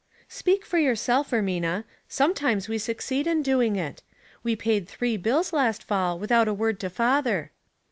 " Speak for yourself, Ermina. Sometimes we succeed in doing it. We paid three bills last fall without a word to father."